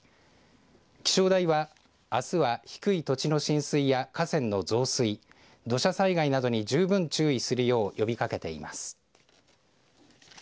気象台はあすは低い土地の浸水や河川の増水土砂災害などに十分注意するよう呼びかけています。